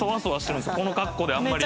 この格好であんまり。